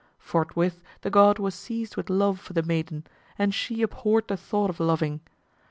Forthwith the god was seized with love for the maiden, and she abhorred the thought of loving.